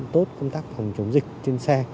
tốt công tác phòng chống dịch trên xe